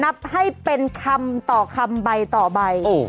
อยู่นี่หุ่นใดมาเพียบเลย